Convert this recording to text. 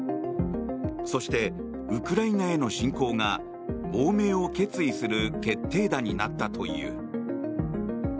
そして、ウクライナへの侵攻が亡命を決意する決定打になったという。